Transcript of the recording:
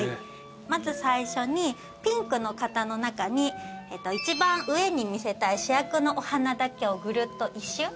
まず最初にピンクの型の中に一番上に見せたい主役のお花だけをぐるっと１周。